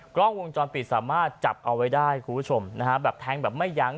กล้องวงจรปิดสามารถจับเอาไว้ได้คุณผู้ชมนะฮะแบบแทงแบบไม่ยั้ง